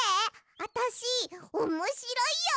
あたしおもしろいよ！